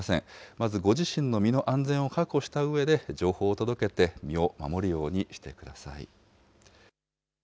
まずご自身の身の安全を確保したうえで、情報を届けて、身を守るようにしてください。